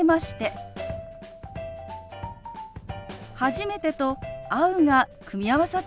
「初めて」と「会う」が組み合わさった表現です。